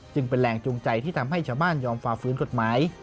จึงเป็นแรงจูงใจที่ทำให้ชาวบ้านยอมฝ่าฟื้นกฎหมาย